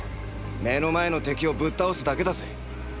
目の前の敵をぶっ倒すだけだぜ。